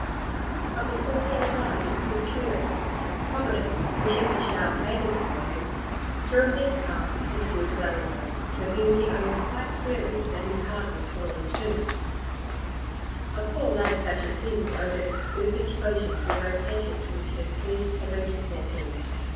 But before he had arrived at the good cure's, providence, wishing to shower favours upon him, threw in his path M. de Valenod, to whom he owned quite freely that his heart was torn in two ; a poor lad such as he was owed an exclusive devotion to the vocation to which it had pleased Heaven to call him.